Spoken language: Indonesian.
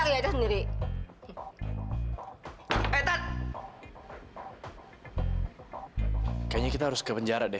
kayaknya kita harus ke penjara deh